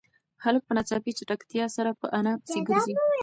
هلک په ناڅاپي چټکتیا سره په انا پسې گرځي.